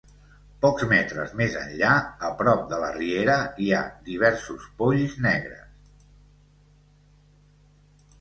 Pocs metres més enllà, a prop de la riera hi ha diversos polls negres.